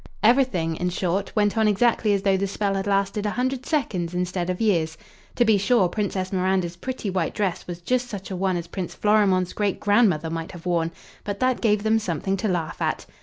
Everything, in short, went on exactly as though the spell had lasted a hundred seconds instead of years. To be sure, Princess Miranda's pretty white dress was just such a one as Prince Florimond's great grandmother might have worn. But that gave them something to laugh at.